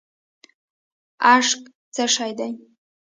اشک څه شی دی؟